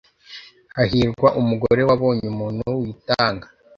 Hahirwa umugore wabonye umuntu witanga!